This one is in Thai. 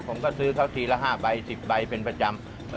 ผมก็ซื้อเขาทีละ๕ใบ๑๐ใบเป็นประจำ